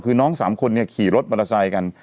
คือน้อง๓คนขี่รถมาทรายกัน